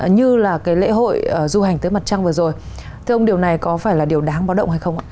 như là cái lễ hội du hành tới mặt trăng vừa rồi thưa ông điều này có phải là điều đáng báo động hay không ạ